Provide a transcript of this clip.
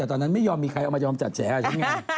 ตอนนั้นไม่โยนมีใครเอามาโยนจัดแฉเป็นยังไง